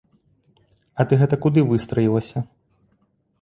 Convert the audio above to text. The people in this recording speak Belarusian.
А ты гэта куды выстраілася?